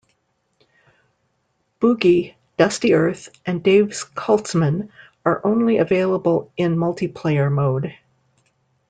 Boogie, Dusty Earth, and Dave's Cultsmen are only available in multiplayer mode.